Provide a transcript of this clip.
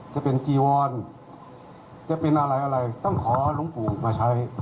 จะเป็นจีวรจะเป็นอะไรอะไรต้องขอหลวงปู่มาใช้